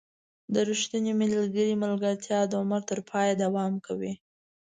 • د ریښتوني ملګري ملګرتیا د عمر تر پایه دوام کوي.